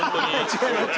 違います。